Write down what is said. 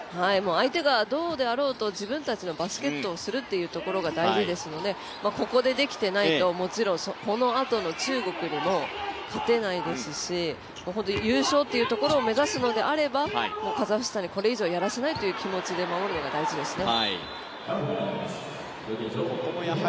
相手がどうであろうと自分たちのバスケットをするということが大事ですのでここで、できていないともちろんこのあとの中国にも勝てないですし、優勝というところを目指すのであればもうカザフスタンにこれ以上やらせないという気持ちで守るのが大事ですね。